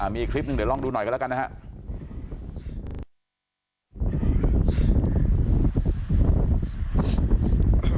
มีคลิปหนึ่งเดี๋ยวลองดูหน่อยกันแล้วกันนะครับ